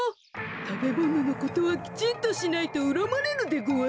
たべもののことはきちんとしないとうらまれるでごわす。